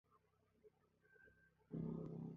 宮崎キャンプでは各球団が集結します